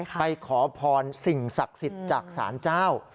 ไปขอพรสิ่งศักดิ์สิทธิ์จากศาลเจ้า